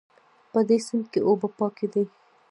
په دې سیند کې اوبه پاکې دي